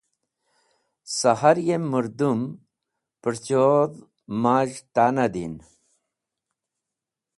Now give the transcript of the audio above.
Sahar yem mũrdũm pũrchodh maz̃h ta’nah din.